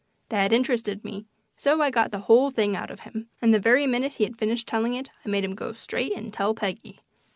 That interested me, so I got the whole thing out of him, and the very minute he had finished telling it I made him go straight and tell Peggy.